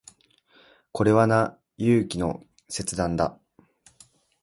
これはな、勇気の切断だ。